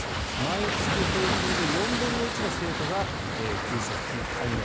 毎月、平均で４分の１の生徒が給食費を滞納。